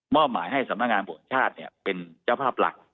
หมายให้สำนักงานบวชชาติเป็นเจ้าภาพหลัก